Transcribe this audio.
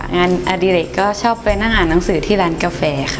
งานอดิริก็ชอบไปนั่งอ่านหนังสือที่ร้านกาแฟค่ะ